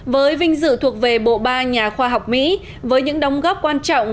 với vinh dự thuộc về bộ ba nhà khoa học mỹ với những đóng góp quan trọng